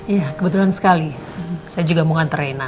iya kebetulan sekali saya juga mau ngantar reina